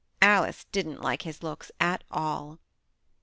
Alice didn't like his looks at all.